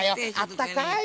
あったかい